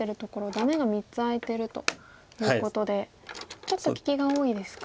ダメが３つ空いているということでちょっと利きが多いですか。